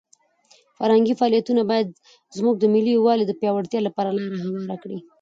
فرهنګي فعالیتونه باید زموږ د ملي یووالي د پیاوړتیا لپاره لاره هواره کړي.